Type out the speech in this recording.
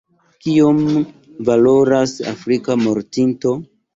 Kiom valoras afrika mortinto?